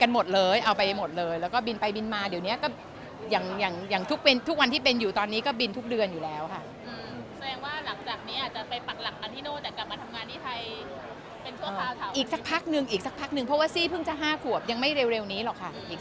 หมดเลยเอาไปหมดเลยแล้วก็บินไปบินมาเดี๋ยวเนี้ยก็อย่างอย่างทุกวันที่เป็นอยู่ตอนนี้ก็บินทุกเดือนอยู่แล้วค่ะแสดงว่าหลังจากนี้อาจจะไปปักหลักกันที่โน่นแต่กลับมาทำงานที่ไทยเป็นชั่วคราวอีกสักพักนึงอีกสักพักนึงเพราะว่าซี่เพิ่งจะ๕ขวบยังไม่เร็วนี้หรอกค่ะ